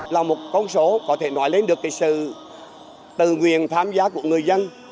là một con số có thể nói lên được sự tự quyền tham gia của người dân